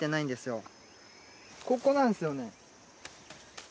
ここなんですよね。